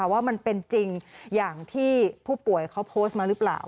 ว่ามันเป็นจริงอย่างที่ผู้ป่วยเขาโพสต์มาหรือเปล่า